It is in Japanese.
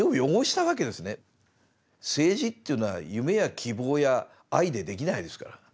政治っていうのは夢や希望や愛でできないですから。